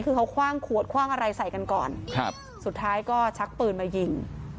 คือเขาคว่างขวดคว่างอะไรใส่กันก่อนครับสุดท้ายก็ชักปืนมายิง